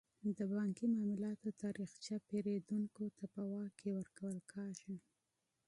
د بانکي معاملاتو تاریخچه پیرودونکو ته په واک کې ورکول کیږي.